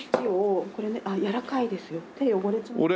やわらかいですよ手汚れちゃいますよ。